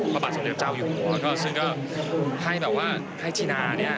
ประบัติสมเนียมเจ้าอยู่หัวก็ซึ่งก็ให้แบบว่าให้ชินาเนี่ย